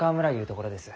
ところです。